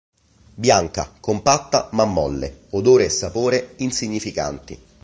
Bianca, compatta ma molle; odore e sapore insignificanti.